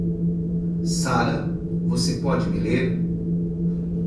Sara você pode me ler?